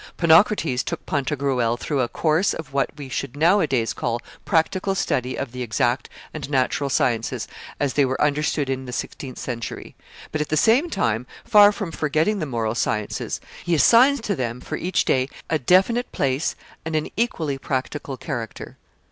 Ponocrates took Pantagruel through a course of what we should nowadays call practical study of the exact and natural sciences as they were understood in the sixteenth century; but, at the same time, far from forgetting the moral sciences, he assigns to them, for each day, a definite place and an equally practical character.